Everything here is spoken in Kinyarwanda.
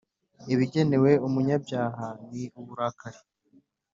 ibigenewe umunyabyaha ni uburakari